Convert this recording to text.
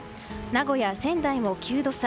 名古屋、仙台も９度差。